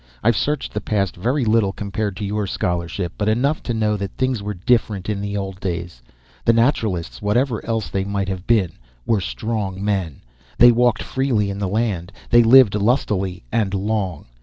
I've searched the past very little, compared to your scholarship, but enough to know that things were different in the old days. The Naturalists, whatever else they might have been, were strong men. They walked freely in the land, they lived lustily and long.